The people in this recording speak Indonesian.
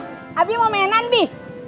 tapi mau mainan bi